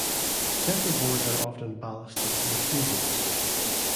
Centreboards are often ballasted in keelboats.